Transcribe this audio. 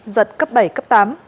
giật cấp bảy cấp tám